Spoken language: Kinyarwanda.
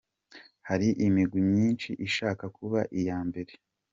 Hari imigwi myinshi ishaka kuba iya mbere.